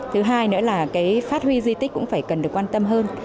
thứ hai nữa là cái phát huy di tích cũng phải cần được quan tâm hơn